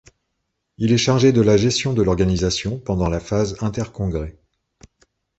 Il est chargé de la gestion de l'organisation pendant la phase inter-congrès.